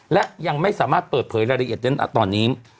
และยังไม่สามารถเปิดเผยรายละเอียดได้นะตอนนี้